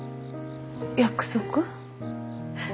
約束？